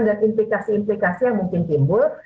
dan implikasi implikasi yang mungkin timbul